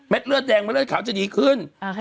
เลือดแดงเม็ดเลือดขาวจะดีขึ้น